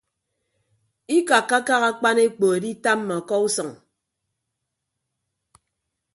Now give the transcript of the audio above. Ikakkakak akpan ekpo editamma ọkọ usʌñ.